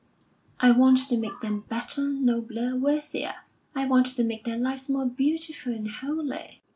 "I want to make them better, nobler, worthier; I want to make their lives more beautiful and holy."